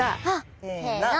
せの。